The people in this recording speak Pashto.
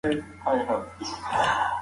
خیر محمد ته د خپلې لور د واده اندېښنه ورغله.